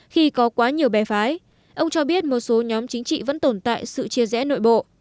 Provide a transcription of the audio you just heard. khi có quá nhiều bè phái ông cho biết một số nhóm chính trị vẫn tồn tại sự chia rẽ nội bộ